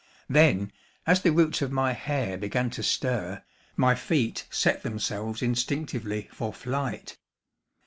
Then, as the roots of my hair began to stir, my feet set themselves instinctively for flight.